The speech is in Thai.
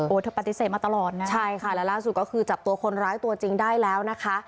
เธอปฏิเสธมาตลอดนะใช่ค่ะแล้วล่าสุดก็คือจับตัวคนร้ายตัวจริงได้แล้วนะคะ